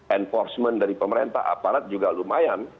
enforcement dari pemerintah aparat juga lumayan